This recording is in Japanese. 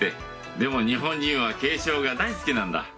でも日本人は敬称が大好きなんだ。